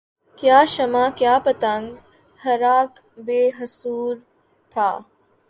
کیا شمع کیا پتنگ ہر اک بے حضور تھا